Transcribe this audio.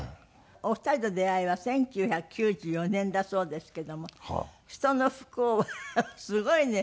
お二人の出会いは１９９４年だそうですけども『ひとの不幸は』すごいね。